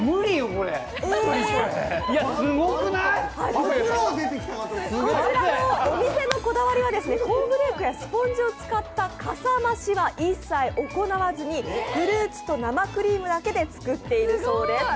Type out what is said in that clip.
こちらのお店のこだわりはコーンフレークやスポンジを使ったかさ増しは一切行わずにフルーツと生クリームだけで作っているそうです。